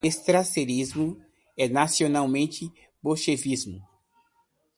Strasserismo e nacional-bolchevismo